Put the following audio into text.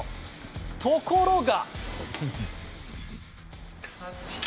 ところが。